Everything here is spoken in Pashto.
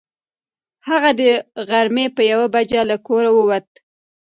هغه د غرمې په یوه بجه له کوره ووت.